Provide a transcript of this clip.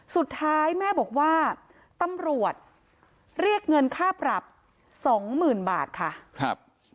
สุดท้ายแม่บอกว่าตำรวจเรียกเงินค่าปรับสองหมื่นบาทค่ะครับ